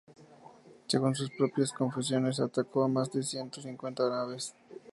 Según sus propias confesiones, atacó a más de ciento cincuenta naves.